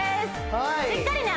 しっかりね